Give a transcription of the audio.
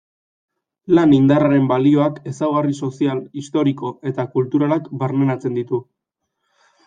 Lan-indarraren balioak ezaugarri sozial, historiko eta kulturalak barneratzen ditu.